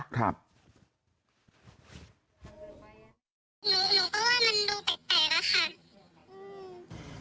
หนูก็ว่ามันดูแปลกค่ะ